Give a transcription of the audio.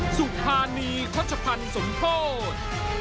สุภานีเขาชะพันธ์สมโทษ